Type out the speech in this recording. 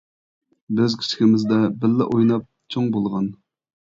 -بىز كىچىكىمىزدە بىللە ئويناپ چوڭ بولغان.